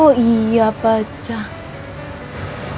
oh iya pecah